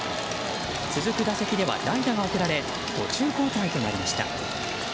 続く打席では代打が送られ途中交代となりました。